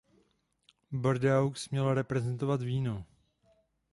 Bordeaux mělo reprezentovat víno.